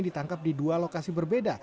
ditangkap di dua lokasi berbeda